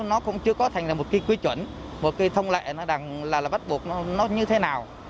nó chưa có thành ra một quy chuẩn một thông lệ bắt buộc nó như thế nào